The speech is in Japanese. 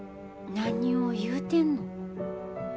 何を言うてんの。